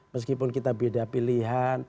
meskipun kita beda pilihan